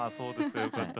よかった。